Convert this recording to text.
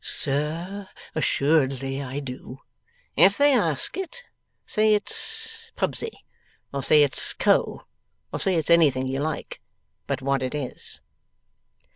'Sir, assuredly I do.' 'If they ask it, say it's Pubsey, or say it's Co, or say it's anything you like, but what it is.